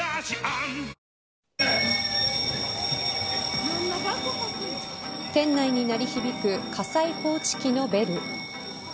ニトリ店内に鳴り響く火災報知器のベル。